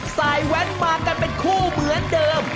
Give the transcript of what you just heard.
แว้นมากันเป็นคู่เหมือนเดิม